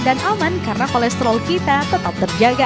dan aman karena kolesterol kita tetap terjaga